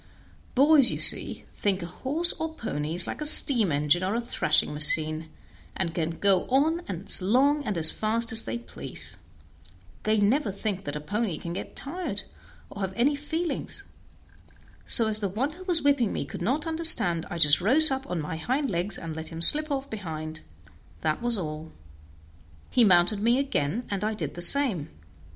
Boys, you see, think a horse or pony is like a steam engine or a thrashing machine, and can go on as long and as fast as they please; they never think that a pony can get tired, or have any feelings; so as the one who was whipping me could not understand I just rose up on my hind legs and let him slip off behind that was all. He mounted me again, and I did the same.